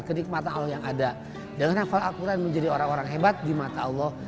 kenikmatan allah yang ada dengan hafal al quran menjadi orang orang hebat di mata allah